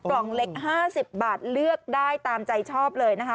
กล่องเล็ก๕๐บาทเลือกได้ตามใจชอบเลยนะคะ